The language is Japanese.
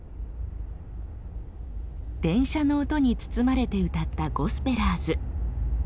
電車の音に包まれて歌ったゴスペラーズ。